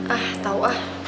ah tau ah